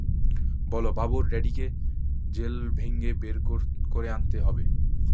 বলো বাবুর ড্যাডিকে জেল ভেংগে বের করে আনতে হবে।